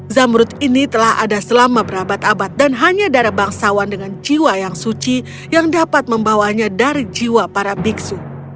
zamrut ini telah ada selama berabad abad dan hanya darah bangsawan dengan jiwa yang suci yang dapat membawanya dari jiwa para biksu